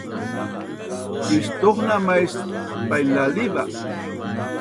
istuhna mais painlaliva